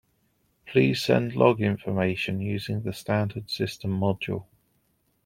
Please send log information using the standard system module.